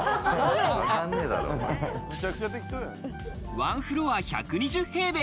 １フロア１２０平米。